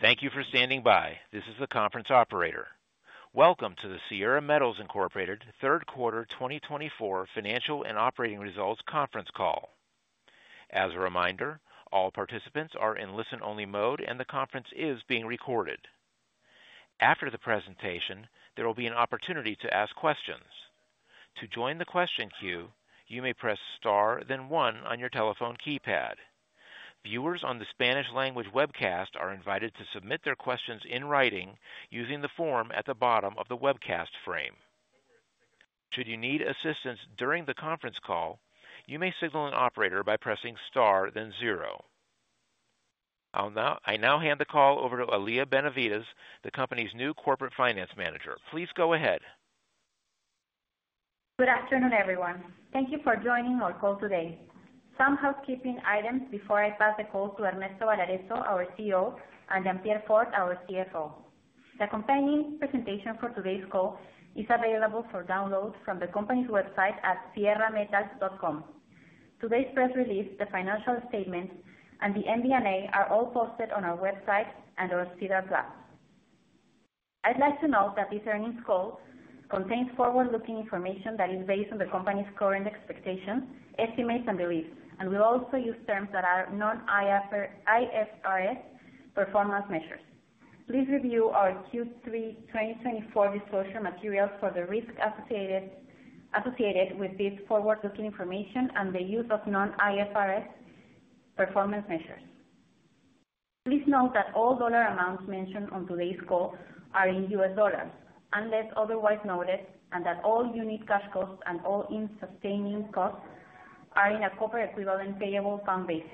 Thank you for standing by. This is the conference operator. Welcome to the Sierra Metals Incorporated Third Quarter 2024 Financial and Operating Results Conference Call. As a reminder, all participants are in listen-only mode and the conference is being recorded. After the presentation, there will be an opportunity to ask questions. To join the question queue, you may press star, then one on your telephone keypad. Viewers on the Spanish language webcast are invited to submit their questions in writing using the form at the bottom of the webcast frame. Should you need assistance during the conference call, you may signal an operator by pressing star, then zero. I now hand the call over to Aura Lía Benavides, the company's new Corporate Finance Manager. Please go ahead. Good afternoon, everyone. Thank you for joining our call today. Some housekeeping items before I pass the call to Ernesto Balarezo, our CEO, and Jean-Pierre Fort, our CFO. The accompanying presentation for today's call is available for download from the company's website at sierra-metals.com. Today's press release, the financial statements, and the MD&A are all posted on our website and on SEDAR+. I'd like to note that this earnings call contains forward-looking information that is based on the company's current expectations, estimates, and beliefs, and will also use terms that are non-IFRS performance measures. Please review our Q3 2024 disclosure materials for the risks associated with this forward-looking information and the use of non-IFRS performance measures. Please note that all dollar amounts mentioned on today's call are in U.S. dollars unless otherwise noted, and that all unit cash costs and all-in sustaining costs are on a co-product equivalent payable pounds basis.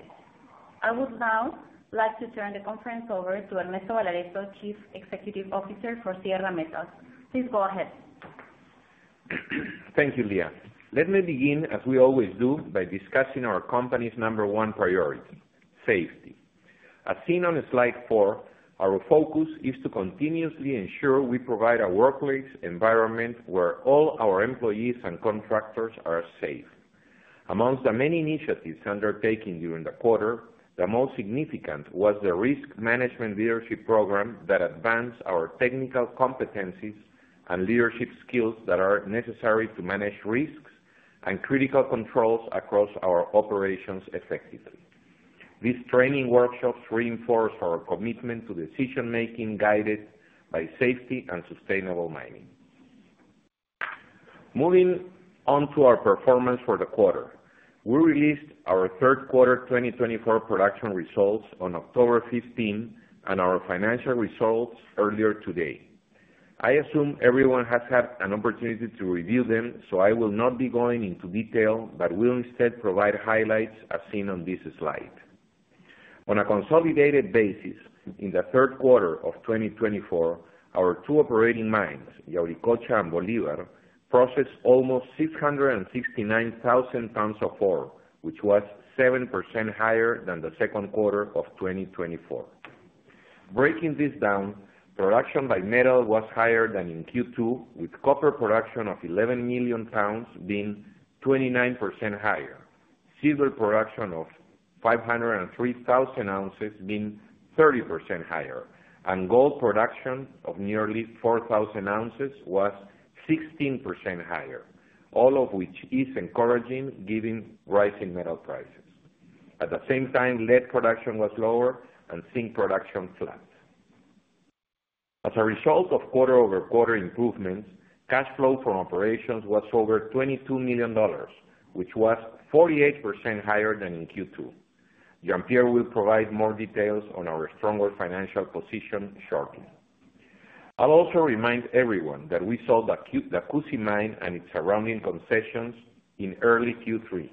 I would now like to turn the conference over to Ernesto Balarezo, Chief Executive Officer for Sierra Metals. Please go ahead. Thank you, Lía. Let me begin, as we always do, by discussing our company's number one priority: safety. As seen on slide four, our focus is to continuously ensure we provide a workplace environment where all our employees and contractors are safe. Amongst the many initiatives undertaken during the quarter, the most significant was the risk management leadership program that advanced our technical competencies and leadership skills that are necessary to manage risks and critical controls across our operations effectively. These training workshops reinforce our commitment to decision-making guided by safety and sustainable mining. Moving on to our performance for the quarter, we released our Third Quarter 2024 production results on October 15 and our financial results earlier today. I assume everyone has had an opportunity to review them, so I will not be going into detail, but will instead provide highlights as seen on this slide. On a consolidated basis, in the third quarter of 2024, our two operating mines, Yauricocha and Bolívar, processed almost 669,000 tons of ore, which was 7% higher than the second quarter of 2024. Breaking this down, production by metal was higher than in Q2, with copper production of 11 million lbs being 29% higher, silver production of 503,000 ounces being 30% higher, and gold production of nearly 4,000 ounces was 16% higher, all of which is encouraging given rising metal prices. At the same time, lead production was lower and zinc production flat. As a result of quarter-over-quarter improvements, cash flow from operations was over $22 million, which was 48% higher than in Q2. Jean Pierre will provide more details on our stronger financial position shortly. I'll also remind everyone that we sold the Cusi Mine and its surrounding concessions in early Q3,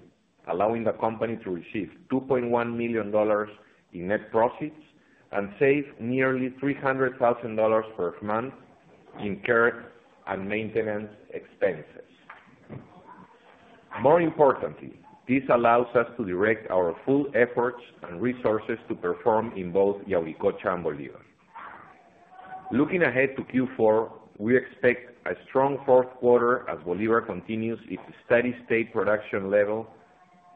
allowing the company to receive $2.1 million in net profits and save nearly $300,000 per month in care and maintenance expenses. More importantly, this allows us to direct our full efforts and resources to perform in both Yauricocha and Bolívar. Looking ahead to Q4, we expect a strong fourth quarter as Bolívar continues its steady-state production level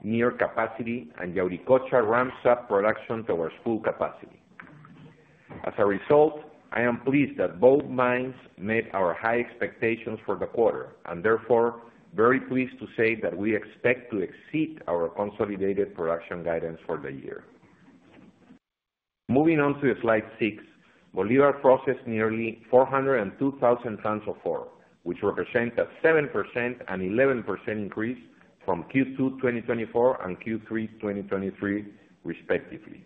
near capacity and Yauricocha ramps up production to our full capacity. As a result, I am pleased that both mines met our high expectations for the quarter and therefore very pleased to say that we expect to exceed our consolidated production guidance for the year. Moving on to slide six, Bolívar processed nearly 402,000 tons of ore, which represents a 7% and 11% increase from Q2 2024 and Q3 2023, respectively.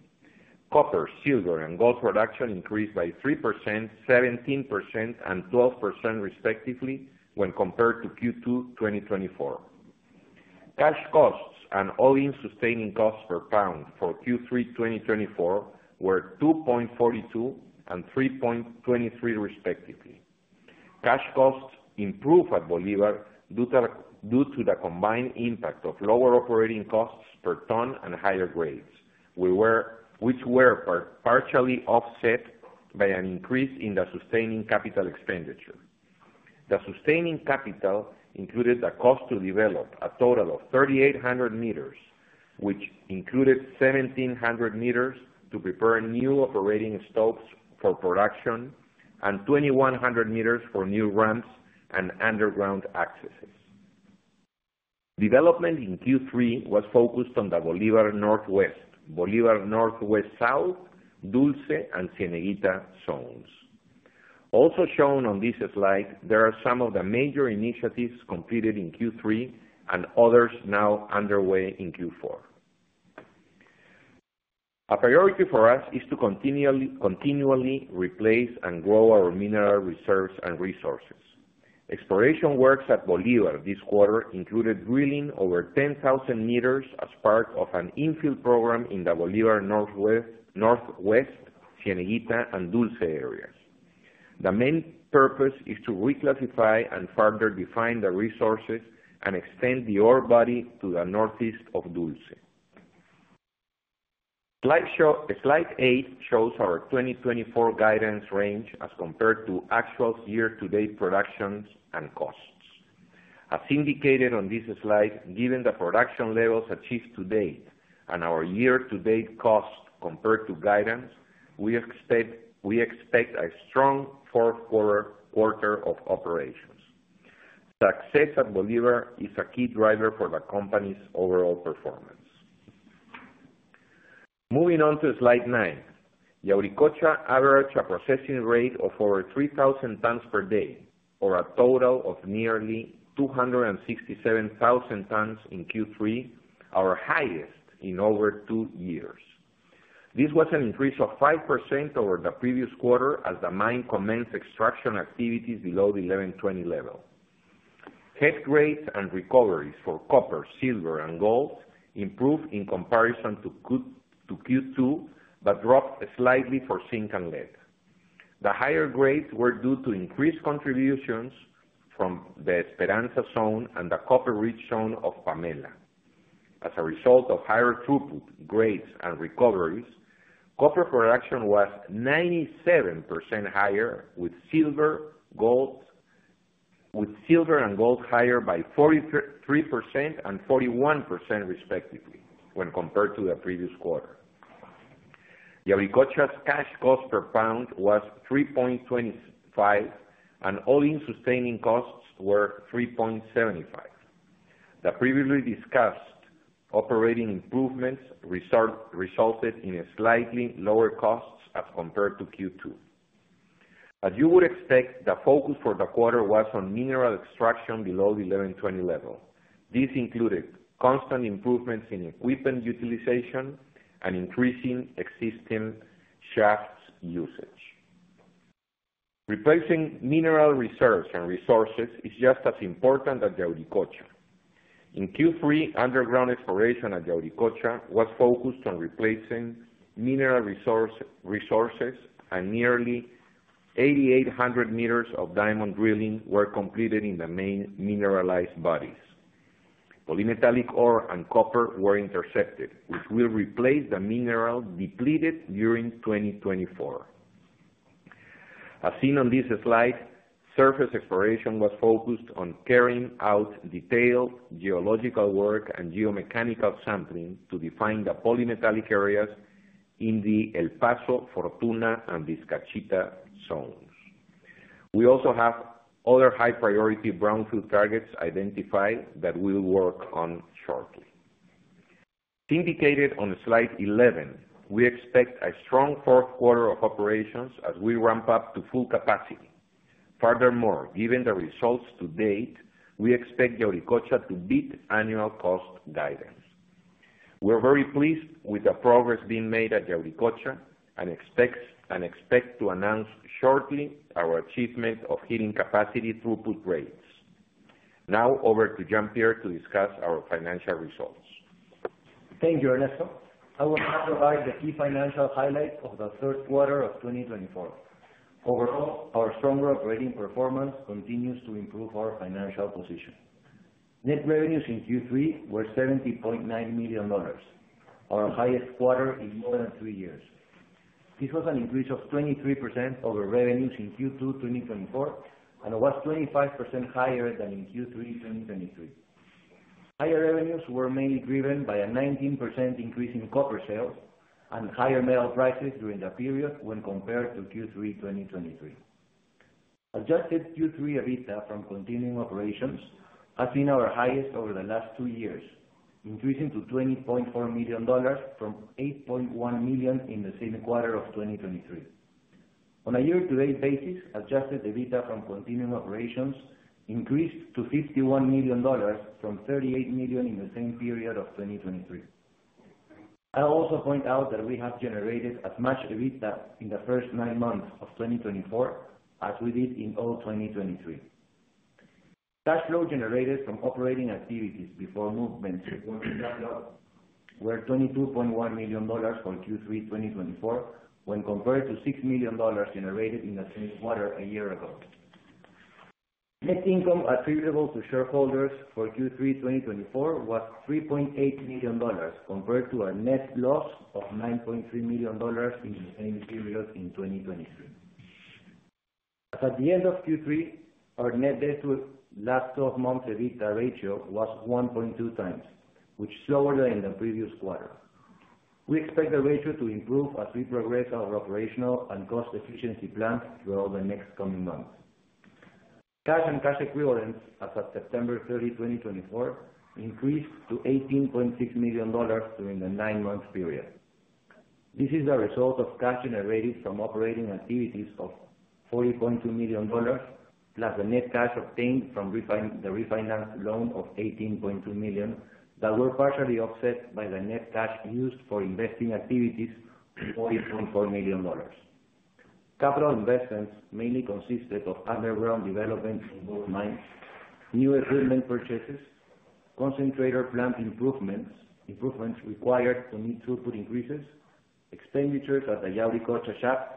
Copper, silver, and gold production increased by 3%, 17%, and 12%, respectively, when compared to Q2 2024. Cash costs and all-in sustaining costs per pound for Q3 2024 were $2.42 and $3.23, respectively. Cash costs improved at Bolívar due to the combined impact of lower operating costs per ton and higher grades, which were partially offset by an increase in the sustaining capital expenditure. The sustaining capital included the cost to develop a total of 3,800 meters, which included 1,700 meters to prepare new operating stopes for production and 2,100 meters for new ramps and underground accesses. Development in Q3 was focused on the Bolívar Northwest, Bolívar Northwest South, Dulce, and Cieneguita zones. Also shown on this slide, there are some of the major initiatives completed in Q3 and others now underway in Q4. A priority for us is to continually replace and grow our mineral reserves and resources. Exploration works at Bolívar this quarter included drilling over 10,000 meters as part of an infill program in the Bolívar Northwest, Cieneguita, and Dulce areas. The main purpose is to reclassify and further define the resources and extend the ore body to the northeast of Dulce. Slide eight shows our 2024 guidance range as compared to actual year-to-date productions and costs. As indicated on this slide, given the production levels achieved to date and our year-to-date cost compared to guidance, we expect a strong fourth quarter of operations. Success at Bolívar is a key driver for the company's overall performance. Moving on to slide nine, Yauricocha averaged a processing rate of over 3,000 tons per day, or a total of nearly 267,000 tons in Q3, our highest in over two years. This was an increase of 5% over the previous quarter as the mine commenced extraction activities below the 1120 level. Head grades and recoveries for copper, silver, and gold improved in comparison to Q2 but dropped slightly for zinc and lead. The higher grades were due to increased contributions from the Esperanza zone and the copper-rich zone of Pamela. As a result of higher throughput grades and recoveries, copper production was 97% higher, with silver and gold higher by 43% and 41%, respectively, when compared to the previous quarter. Yauricocha's cash cost per pound was $3.25, and all-in sustaining costs were $3.75. The previously discussed operating improvements resulted in slightly lower costs as compared to Q2. As you would expect, the focus for the quarter was on mineral extraction below the 1120 level. This included constant improvements in equipment utilization and increasing existing shaft usage. Replacing mineral reserves and resources is just as important as Yauricocha. In Q3, underground exploration at Yauricocha was focused on replacing mineral resources, and nearly 8,800 meters of diamond drilling were completed in the main mineralized bodies. Polymetallic ore and copper were intercepted, which will replace the mineral depleted during 2024. As seen on this slide, surface exploration was focused on carrying out detailed geological work and geomechanical sampling to define the polymetallic areas in the El Paso, Fortuna, and Vizcachita zones. We also have other high-priority brownfield targets identified that we will work on shortly. Indicated on slide 11, we expect a strong fourth quarter of operations as we ramp up to full capacity. Furthermore, given the results to date, we expect Yauricocha to beat annual cost guidance. We're very pleased with the progress being made at Yauricocha and expect to announce shortly our achievement of hitting capacity throughput rates. Now, over to Jean Pierre to discuss our financial results. Thank you, Ernesto. I will now provide the key financial highlights of the third quarter of 2024. Overall, our stronger operating performance continues to improve our financial position. Net revenues in Q3 were $70.9 million, our highest quarter in more than three years. This was an increase of 23% over revenues in Q2 2024, and it was 25% higher than in Q3 2023. Higher revenues were mainly driven by a 19% increase in copper sales and higher metal prices during the period when compared to Q3 2023. Adjusted Q3 EBITDA from continuing operations has been our highest over the last two years, increasing to $20.4 million from $8.1 million in the same quarter of 2023. On a year-to-date basis, adjusted EBITDA from continuing operations increased to $51 million from $38 million in the same period of 2023. I'll also point out that we have generated as much EBITDA in the first nine months of 2024 as we did in all 2023. Cash flow generated from operating activities before movement was $22.1 million for Q3 2024 when compared to $6 million generated in the same quarter a year ago. Net income attributable to shareholders for Q3 2024 was $3.8 million compared to a net loss of $9.3 million in the same period in 2023. At the end of Q3, our net debt to last 12 months EBITDA ratio was 1.2x, which is lower than in the previous quarter. We expect the ratio to improve as we progress our operational and cost efficiency plans throughout the next coming months. Cash and cash equivalents as of September 30, 2024, increased to $18.6 million during the nine-month period. This is the result of cash generated from operating activities of $40.2 million+ the net cash obtained from the refinanced loan of $18.2 million that were partially offset by the net cash used for investing activities of $40.4 million. Capital investments mainly consisted of underground development in both mines, new equipment purchases, concentrator plant improvements required to meet throughput increases, expenditures at the Yauricocha shaft,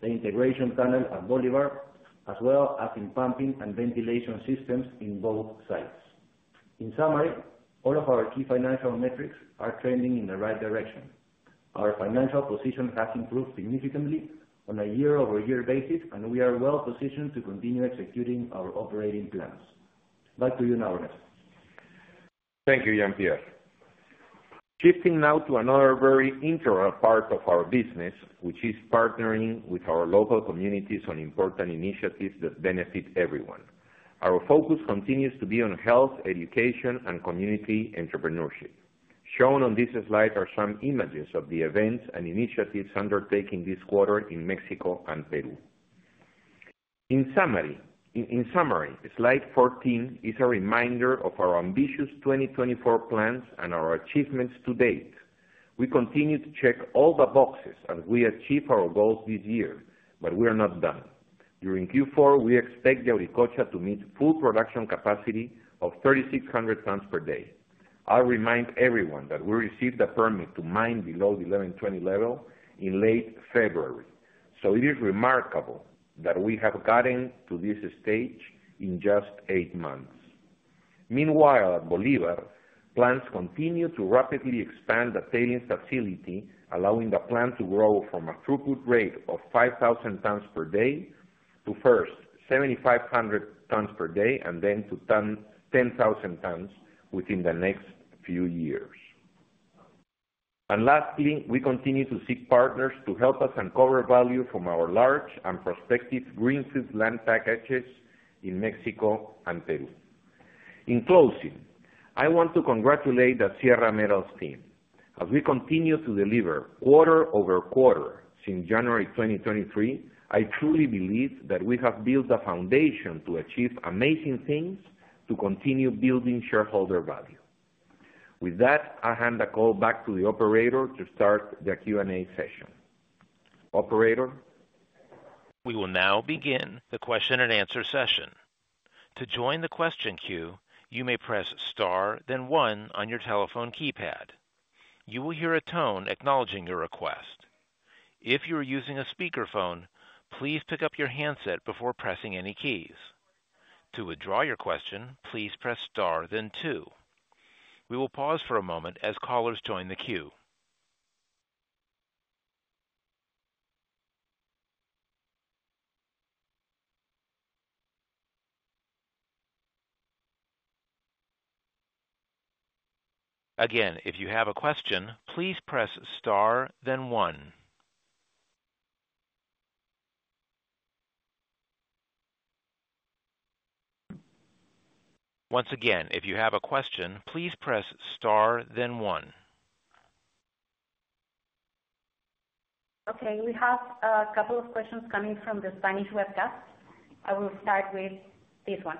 the integration tunnel at Bolívar, as well as in pumping and ventilation systems in both sites. In summary, all of our key financial metrics are trending in the right direction. Our financial position has improved significantly on a year-over-year basis, and we are well positioned to continue executing our operating plans. Back to you, Ernesto. Thank you, Jean Pierre. Shifting now to another very integral part of our business, which is partnering with our local communities on important initiatives that benefit everyone. Our focus continues to be on health, education, and community entrepreneurship. Shown on this slide are some images of the events and initiatives undertaken this quarter in Mexico and Peru. In summary, slide 14 is a reminder of our ambitious 2024 plans and our achievements to date. We continue to check all the boxes as we achieve our goals this year, but we are not done. During Q4, we expect Yauricocha to meet full production capacity of 3,600 tons per day. I'll remind everyone that we received a permit to mine below the 1,120 level in late February, so it is remarkable that we have gotten to this stage in just eight months. Meanwhile, at Bolívar, plans continue to rapidly expand the tailings facility, allowing the plant to grow from a throughput rate of 5,000 tons per day to first 7,500 tons per day and then to 10,000 tons within the next few years, and lastly, we continue to seek partners to help us uncover value from our large and prospective greenfield land packages in Mexico and Peru. In closing, I want to congratulate the Sierra Metals team. As we continue to deliver quarter over quarter since January 2023, I truly believe that we have built the foundation to achieve amazing things to continue building shareholder value. With that, I'll hand the call back to the operator to start the Q&A session. Operator. We will now begin the question and answer session. To join the question queue, you may press star, then one on your telephone keypad. You will hear a tone acknowledging your request. If you are using a speakerphone, please pick up your handset before pressing any keys. To withdraw your question, please press star, then two. We will pause for a moment as callers join the queue. Again, if you have a question, please press star, then one. Once again, if you have a question, please press star, then one. Okay. We have a couple of questions coming from the Spanish webcast. I will start with this one.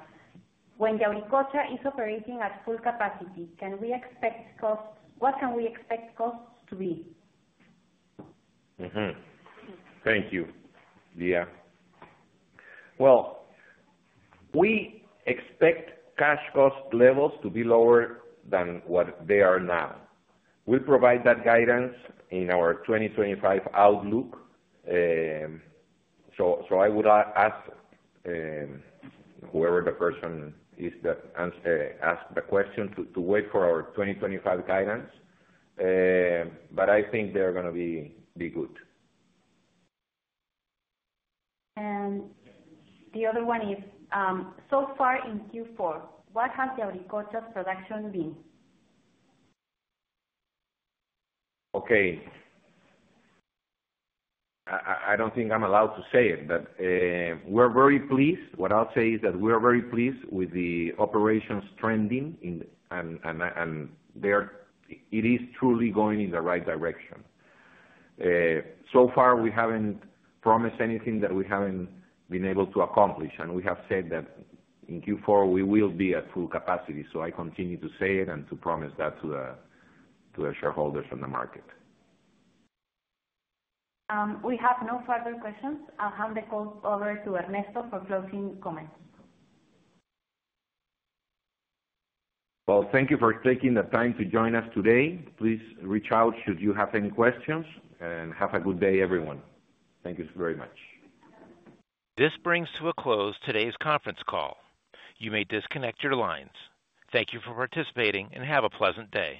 When Yauricocha is operating at full capacity, can we expect costs? What can we expect costs to be? Thank you, Lía. We expect cash cost levels to be lower than what they are now. We'll provide that guidance in our 2025 outlook. I would ask whoever the person is that asked the question to wait for our 2025 guidance, but I think they're going to be good. The other one is, so far in Q4, what has Yauricocha's production been? Okay. I don't think I'm allowed to say it, but we're very pleased. What I'll say is that we are very pleased with the operations trending, and it is truly going in the right direction. So far, we haven't promised anything that we haven't been able to accomplish, and we have said that in Q4 we will be at full capacity. So I continue to say it and to promise that to the shareholders and the market. We have no further questions. I'll hand the call over to Ernesto for closing comments. Thank you for taking the time to join us today. Please reach out should you have any questions, and have a good day, everyone. Thank you very much. This brings to a close today's conference call. You may disconnect your lines. Thank you for participating, and have a pleasant day.